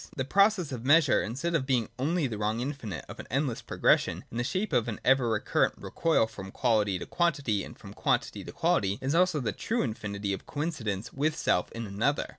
The process of measure, instead of being only the wrong infinite of an endless progression, in the shape of an ever recurrent recoil from quality to quantity, and from quantity to quality, is also the true infinity of coincidence with self in another.